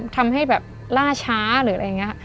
ทำให้แบบล่าช้าหรืออะไรอย่างนี้